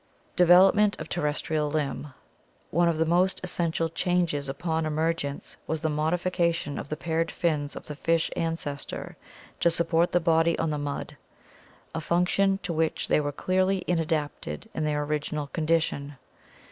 Development of Terrestrial Limb.— One of the most essential changes upon emergence was the modifi cation of the paired fins of the fish ancestor to support the body on the mud, a function 1 to which they were clearly inadapted in their original condition.